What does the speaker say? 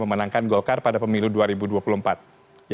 berlabuh rk ke partai golkar ada still pun yang kom puppy